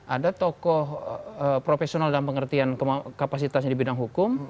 ada tokoh profesional dalam pengertian kapasitasnya di bidang hukum